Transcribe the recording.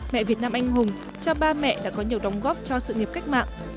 mẹ việt nam anh hùng cho ba mẹ đã có nhiều đóng góp cho sự nghiệp cách mạng